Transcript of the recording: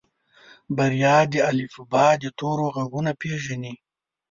بريا د الفبا د تورو غږونه پېژني.